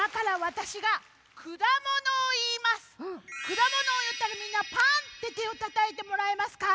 くだものをいったらみんな「パン！」っててをたたいてもらえますか？